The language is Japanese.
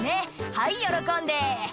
はい喜んで」